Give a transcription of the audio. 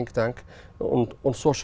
nghiên cứu xã hội